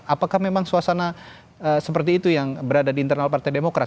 apakah memang suasana seperti itu yang berada di internal partai demokrat